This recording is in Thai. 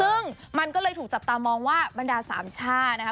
ซึ่งมันก็เลยถูกจับตามองว่าบรรดาสามช่านะคะ